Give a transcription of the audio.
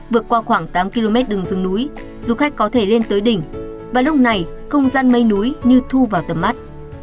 vượt qua khoảng tám km đường rừng núi du khách có thể lên tới đỉnh và lúc này không gian mây núi như thu vào tầm mắt